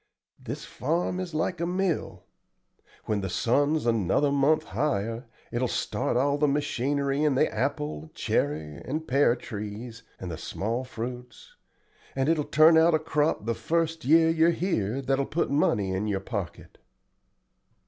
This farm is like a mill. When the sun's another month higher it will start all the machinery in the apple, cherry, and pear trees and the small fruits, and it will turn out a crop the first year you're here that will put money in your pocket."